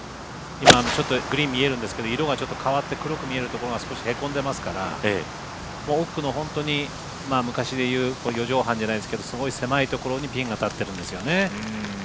ちょっとグリーン見えるんですけど色が黒く見えるところが少しへこんでますから奥の本当に昔でいう四畳半じゃないですけどすごい狭いところにピンが立ってるんですよね。